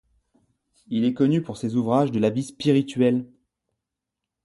Il est connu pour ses ouvrages de vie spirituelle.